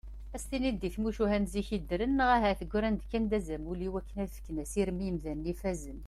Ad s-tiniḍ deg tmucuha n zik i ddren neɣ ahat ggran-d kan d azamul iwakken ad ffken asirem i yimdanen ifazen.